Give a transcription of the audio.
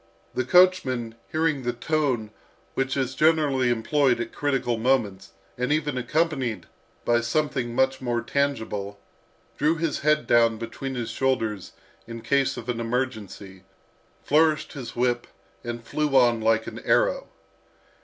The coachman, hearing the tone which is generally employed at critical moments, and even accompanied by something much more tangible, drew his head down between his shoulders in case of an emergency, flourished his whip, and flew on like an arrow.